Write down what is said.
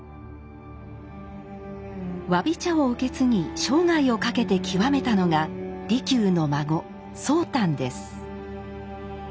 侘び茶を受け継ぎ生涯をかけて究めたのが利休の孫宗旦です。